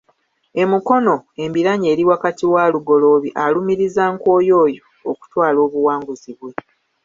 E Mukono, embiranye eri wakati wa Lugoloobi alumiriza Nkoyooyo okutwala obuwanguzi bwe.